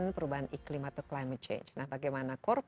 terima kasih pak